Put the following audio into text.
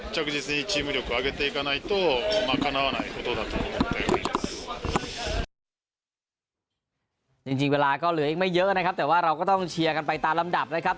จริงเวลาก็เหลืออีกไม่เยอะนะครับแต่ว่าเราก็ต้องเชียร์กันไปตามลำดับนะครับ